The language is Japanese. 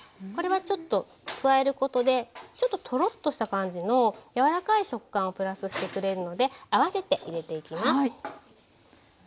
これはちょっと加えることでちょっとトロッとした感じの柔らかい食感をプラスしてくれるので合わせて入れていきます。